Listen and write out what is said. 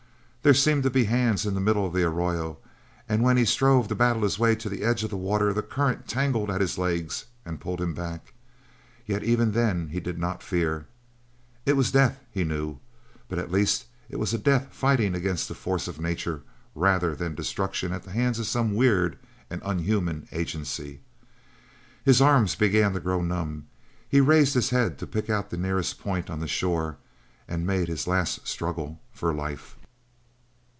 There seemed to be hands in the middle of the arroyo, and when he strove to battle his way to the edge of the water the current tangled at his legs and pulled him back. Yet even then he did not fear. It was death, he knew, but at least it was death fighting against a force of nature rather than destruction at the hands of some weird and unhuman agency. His arms began to grow numb. He raised his head to pick out the nearest point on the shore and make his last struggle for life.